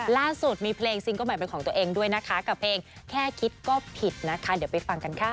ล่าสุดมีเพลงซิงเกิ้ลใหม่เป็นของตัวเองด้วยนะคะกับเพลงแค่คิดก็ผิดนะคะเดี๋ยวไปฟังกันค่ะ